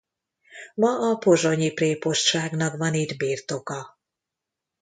Ma a pozsonyi prépostságnak van itt birtoka.